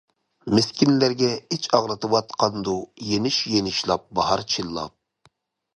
مىسكىنلەرگە ئىچ ئاغرىتىۋاتقاندۇ يېنىش-يېنىشلاپ باھار چىللاپ.